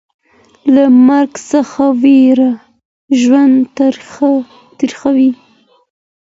له مرګ څخه ویره ژوند تریخوي.